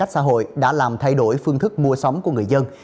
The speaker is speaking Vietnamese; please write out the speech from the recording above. việc giãn cách xã hội đã làm thay đổi phương thức mua sống của người dân